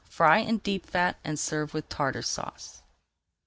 Fry in deep fat and serve with Tartar Sauce.